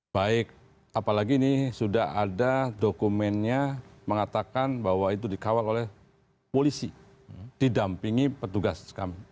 baik apalagi ini sudah ada dokumennya mengatakan bahwa itu dikawal oleh polisi didampingi petugas kami